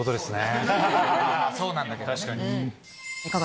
そうなんだけどね。